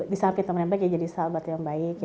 disamping teman yang baik jadi salbat yang baik